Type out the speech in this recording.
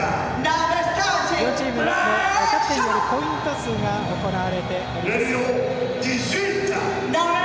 両チームのキャプテンによるコイントスが行われています。